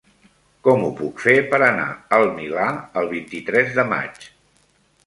Com ho puc fer per anar al Milà el vint-i-tres de maig?